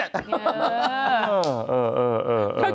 ฮ่า